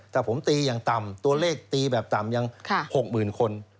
ถ้าผมตีอย่างต่ำตัวเลขตีแบบต่ำยัง๖๐๐๐คน